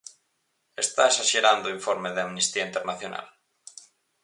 ¿Está esaxerando o Informe de Amnistía Internacional?